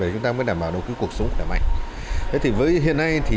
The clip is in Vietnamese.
chúng ta mới đảm bảo đồng ký cuộc sống của bệnh nhân viêm gan c